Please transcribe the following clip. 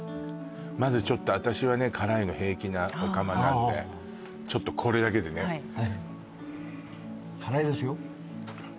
まずちょっと私はね辛いの平気なオカマなんでちょっとこれだけでね辛いですよ？